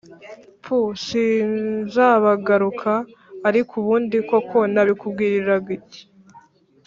"puuu , sinzabagaruka ...ariko ubundi koko nabikubwiriraga iki ??